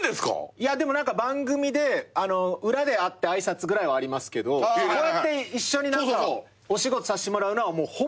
いやでも番組で裏で会って挨拶ぐらいはありますけどこうやって一緒にお仕事させてもらうのはほぼ初めて。